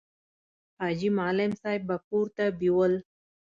حاجي معلم صاحب به کور ته بېول.